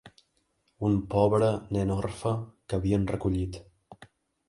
Un pobre nen orfe que havien recollit.